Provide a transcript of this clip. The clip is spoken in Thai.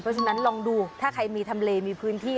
เพราะฉะนั้นลองดูถ้าใครมีทำเลมีพื้นที่